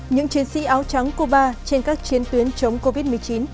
những chiến sĩ áo trắng cuba trên các chiến tuyến chống covid một mươi chín